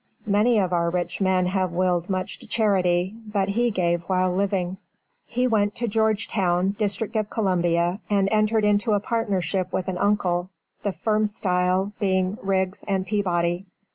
Many of our rich men have willed much to charity, but he gave while living. He went to Georgetown, District of Columbia, and entered into a partnership with an uncle, the firm style being Riggs & Peabody.